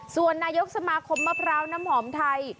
ส่วนนายกสมาคมมะพร้าวน้ำหอมไทย